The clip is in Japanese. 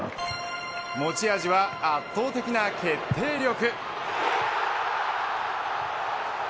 持ち味は、圧倒的な決定力。